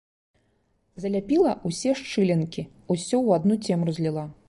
Заляпіла ўсе шчылінкі, усё ў адну цемру зліла.